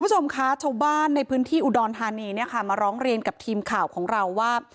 คุณผู้ชมคะชาวบ้านในพื้นที่อุดรธานีเนี่ยค่ะมาร้องเรียนกับทีมข่าวของเราว่า